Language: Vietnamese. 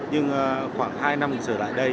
nhưng khoảng hai năm mình trở lại đây